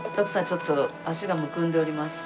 ちょっと足がむくんでおりますだいぶ。